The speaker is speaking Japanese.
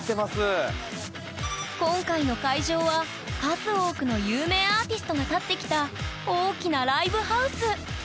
今回の会場は数多くの有名アーティストが立ってきた大きなライブハウス。